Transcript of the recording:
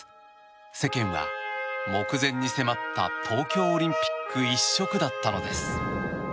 世間は、目前に迫った東京オリンピック一色だったのです。